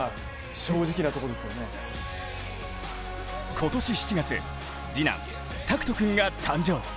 今年７月、次男・大空翔君が誕生。